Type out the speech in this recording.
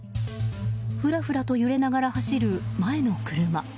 ふらふらと揺れながら走る前の車。